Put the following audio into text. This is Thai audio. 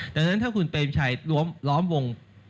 ดังนั้นถ้าคุณเปรมชัยล้อมวง